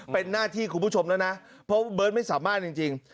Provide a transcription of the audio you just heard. เป็นหน้าที่คุณผู้ชมแล้วนะเพราะเบิร์ตไม่สามารถจริง